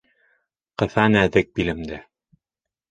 Ҡыҫа нәҙек билемде.